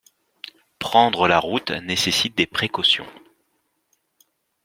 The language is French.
Prendre la route nécessite des précautions.